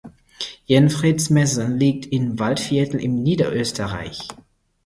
Irnfritz-Messern liegt im Waldviertel in Niederösterreich.